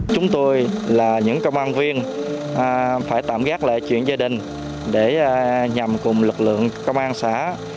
chúng tôi là những công an viên phải tạm gác lại chuyện gia đình để nhằm cùng lực lượng công an xã